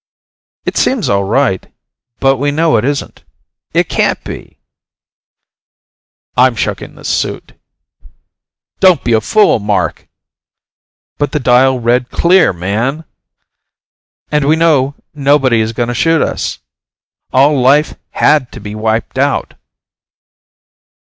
"It seems all right. But we know it isn't. It can't be." "I'm shucking this suit." "Don't be a fool, Mark!" "But the dial read clear, man! And we know nobody is going to shoot us. All life had to be wiped out."